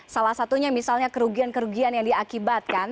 salah satunya misalnya kerugian kerugian yang diakibatkan